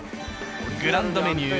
グランドメニュー